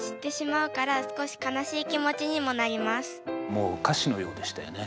もう歌詞のようでしたよね。